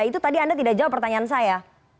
itu tadi anda tidak jawab pertanyaan saya